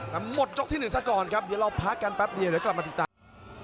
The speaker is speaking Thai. แต่หมดยกที่๑ซะก่อนครับเดี๋ยวเราพักกันแป๊บเดียวเดี๋ยวกลับมาติดตาม